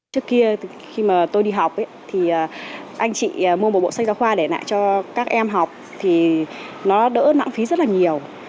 trước kia khi mà tôi đi học thì anh chị mua một bộ sách giáo khoa để lại cho các em học thì nó đỡ lãng phí rất là nhiều